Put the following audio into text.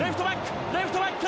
レフトバック！